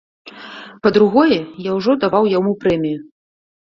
Па-другое, я ўжо даваў яму прэмію.